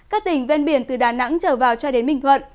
các tỉnh ven biển từ đà nẵng trở vào cho đến bình thuận